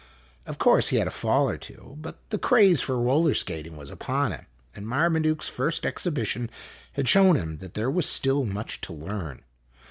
Of course he had a fall or two, but the craze for roller skating was upon him, and Marmaduke's first ex hibition had shown him that there was still much to learn.